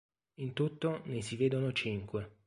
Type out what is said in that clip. In tutto ne si vedono cinque.